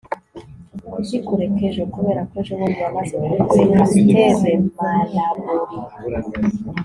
kuki kureka ejo? kubera ko ejobundi yamaze kukureka - steve maraboli